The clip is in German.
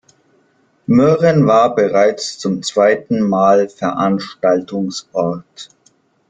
Mürren war bereits zum zweiten Mal Veranstaltungsort.